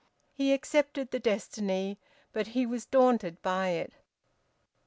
He accepted the destiny, but he was daunted by it.